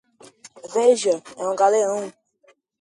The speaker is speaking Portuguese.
Veja: é um galeão!